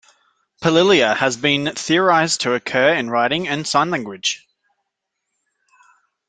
Palilalia has been theorized to occur in writing and sign language.